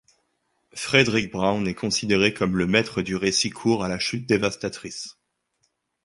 Fredric Brown est considéré comme le maître du récit court à la chute dévastatrice.